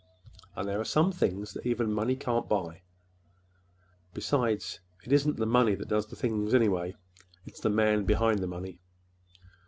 And there are some things that even money can't buy. Besides, it isn't the money that does the things, anyway,—it's the man behind the money.